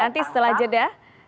nanti setelah jeda